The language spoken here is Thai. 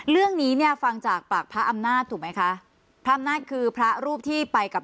เรื่องนี้เนี่ยฟังจากปากพระอำนาจถูกไหมคะพระอำนาจคือพระรูปที่ไปกับ